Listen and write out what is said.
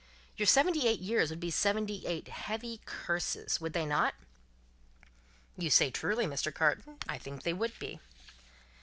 your seventy eight years would be seventy eight heavy curses; would they not?" "You say truly, Mr. Carton; I think they would be."